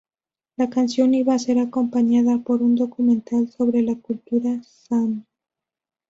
La canción iba a ser acompañada por un documental sobre la cultura saami.